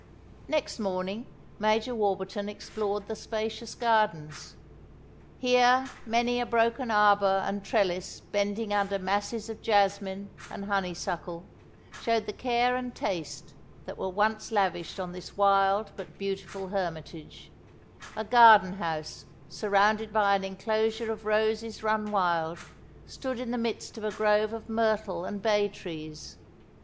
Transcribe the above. Next morning, Major Warburton explored the spacious gardens. "Here many a broken arbour and trellis bending under masses of jasmine and honeysuckle, showed the care and taste that were once lavished on this wild but beautiful hermitage: a garden house, surrounded by an enclosure of roses run wild, stood in the midst of a grove of myrtle and bay trees.